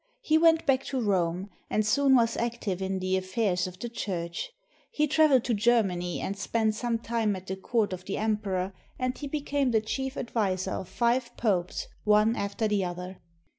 He went back to Rome, and soon was active in the affairs of the Church. He traveled to Germany and spent some time at the court of the Emperor, and he became the chief adviser of five Popes one after the other.